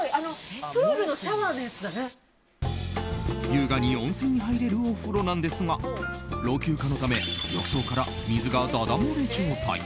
優雅に温泉に入れるお風呂なんですが老朽化のため浴槽から水がダダ漏れ状態。